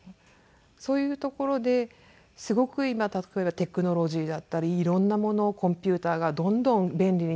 そういうところですごく今例えばテクノロジーだったり色んなものコンピューターがどんどん便利になっている。